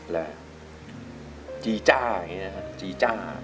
และจีจ้าอย่างนี้นะครับจีจ้า